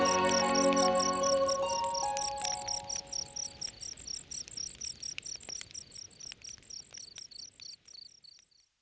pastilah cinta murni dan persahabatan